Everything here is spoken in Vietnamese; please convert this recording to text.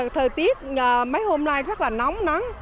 thời tiết mấy hôm nay rất là nóng nắng